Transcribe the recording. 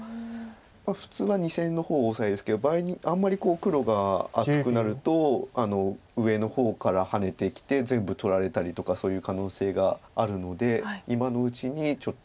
普通は２線の方をオサエですけどあんまり黒が厚くなると上の方からハネてきて全部取られたりとかそういう可能性があるので今のうちにちょっと。